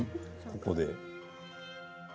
ここで。